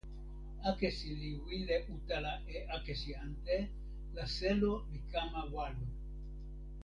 akesi li wile utala e akesi ante, la selo li kama walo.